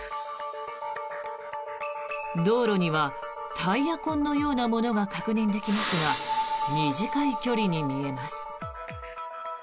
道路にはタイヤ痕のようなものが確認できますが短い距離に見えます。